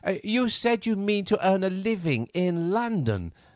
"You said you mean to earn a living in London.